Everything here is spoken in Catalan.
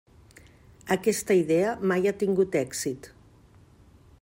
Aquesta idea mai ha tingut èxit.